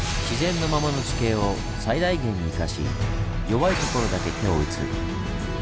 自然のままの地形を最大限に生かし弱いところだけ手を打つ。